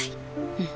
うん。